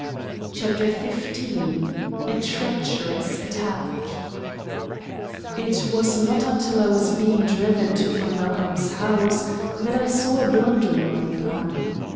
CHAPTER XV A TREACHEROUS ATTACK It was not until I was being driven to von Nauheim's house that I saw a blunder in my plan.